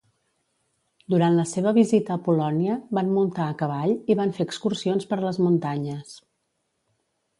Durant la seva visita a Polònia, van muntar a cavall i van fer excursions per les muntanyes.